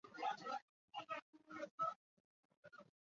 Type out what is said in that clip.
妹妹熊田胡胡也是演员。